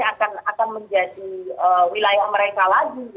apakah kemudian ini akan menjadi wilayah mereka lagi gitu